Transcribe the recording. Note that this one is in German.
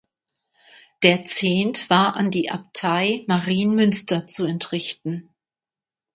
Der Zehnt war an die Abtei Marienmünster zu entrichten.